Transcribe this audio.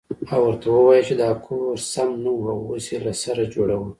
او ورته ووايې چې دا کور سم نه و اوس يې له سره جوړوه.